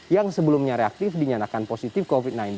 yang sebelumnya reaktif dinyatakan positif covid sembilan belas